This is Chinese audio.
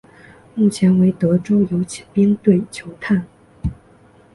目前为德州游骑兵队球探。